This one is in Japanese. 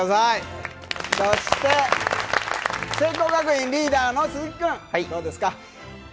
そして、聖光学院リーダーの鈴木君、どうですか？